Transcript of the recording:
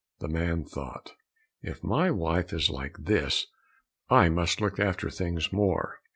The man thought, "If my wife is like this, I must look after things more."